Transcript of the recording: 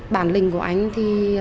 bản lĩnh của anh thì